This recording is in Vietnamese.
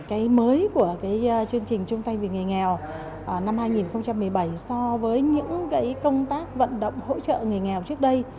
cái mới của chương trình chung tay vì người nghèo năm hai nghìn một mươi bảy so với những công tác vận động hỗ trợ người nghèo trước đây